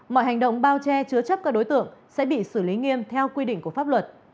mọi hành động bao che chứa chấp các đối tượng sẽ bị xử lý nghiêm theo quy định của pháp luật